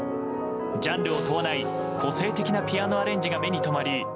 ジャンルを問わない個性的なピアノアレンジが目に留まり